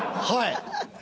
はい。